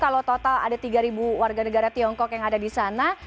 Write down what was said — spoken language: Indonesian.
kalau total ada tiga warga negara tiongkok yang ada di sana